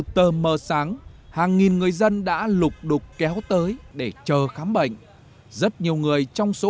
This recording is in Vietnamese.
tờ mờ sáng hàng nghìn người dân đã lục đục kéo tới để chờ khám bệnh rất nhiều người trong số